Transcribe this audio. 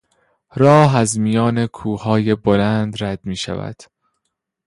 راه از میان کوههای بلند رد میشود.